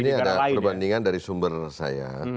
jadi ini ada perbandingan dari sumber saya